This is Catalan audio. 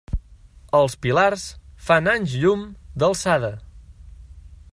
Els pilars fan anys llum d'alçada.